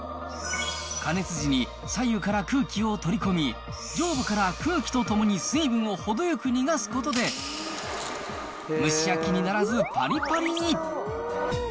加熱時に、左右から空気を取り込み、上部から空気とともに水分を程よく逃がすことで、蒸し焼きにならず、ぱりぱりに。